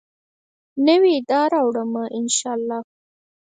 نوي ادا راوړمه، ان شاالله